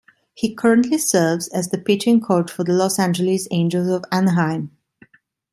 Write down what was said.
He currently serves as the pitching coach for the Los Angeles Angels of Anaheim.